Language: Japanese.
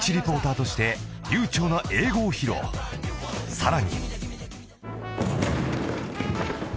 ［さらに］